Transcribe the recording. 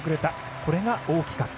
これが大きかった。